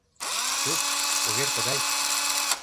Чу, увер тыгай: